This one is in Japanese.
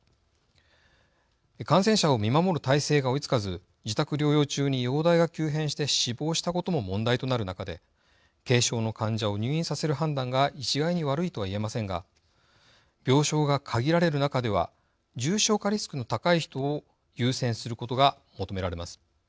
感染者を見守る体制が追いつかず自宅療養中に容体が急変して死亡したことも問題となる中で軽症の患者を入院させる判断が一概に悪いとは言えませんが病床が限られる中では重症化リスクの高い人を優先することが求められます。